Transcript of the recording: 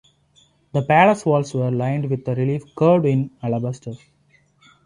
The palace walls were lined with reliefs carved in alabaster.